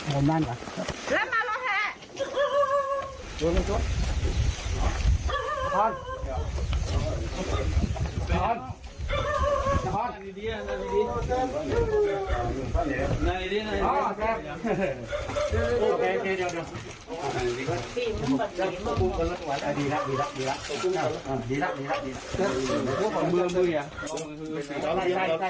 มันแม่นเหรอแล้วมาละแหะ